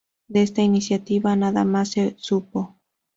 De esta iniciativa nada más se supo.